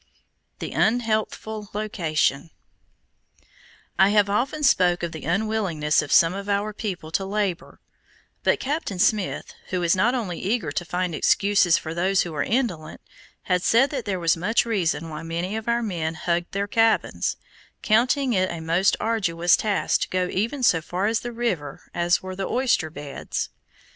THE UNHEALTHFUL LOCATION I have often spoken of the unwillingness of some of our people to labor; but Captain Smith, who is not overly eager to find excuses for those who are indolent, has said that there was much reason why many of our men hugged their cabins, counting it a most arduous task to go even so far up the river as were the oyster beds.